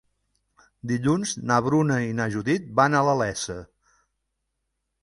Dilluns na Bruna i na Judit van a la Iessa.